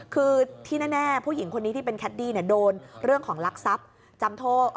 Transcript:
คือที่แน่ผู้หญิงคนนี้ที่เป็นแคดดี้โดนเรื่องของลักทรัพย์จำโทษ